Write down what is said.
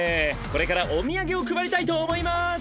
これからお土産を配りたいと思います！